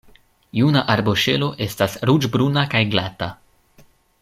Juna arboŝelo estas ruĝ-bruna kaj glata.